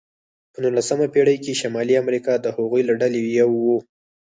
په نوولسمه پېړۍ کې شمالي امریکا د هغوی له ډلې یوه وه.